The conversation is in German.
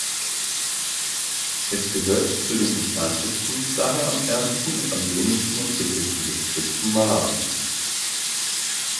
Es gehört zu den entferntesten, daher ärmsten und am wenigsten entwickelten Distrikten Malawis.